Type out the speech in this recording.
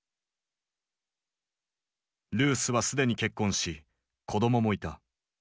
ルースは既に結婚し子供もいた。